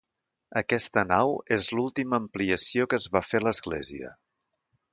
Aquesta nau és l'última ampliació que es va fer a l'església.